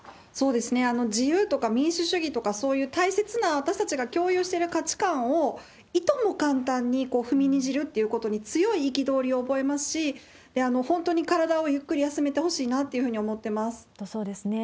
自由とか民主主義とか、そういう大切な、私たちが共有している価値観をいとも簡単に踏みにじるってことに強い憤りを覚えますし、本当に体をゆっくり休めてほしいなって思そうですね。